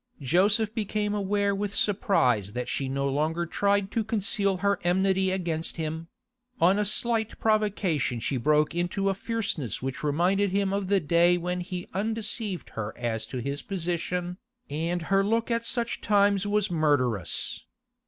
Joseph became aware with surprise that she no longer tried to conceal her enmity against him; on a slight provocation she broke into a fierceness which reminded him of the day when he undeceived her as to his position, and her look at such times was murderous.